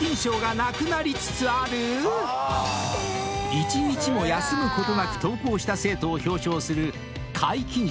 ［１日も休むことなく登校した生徒を表彰する皆勤賞］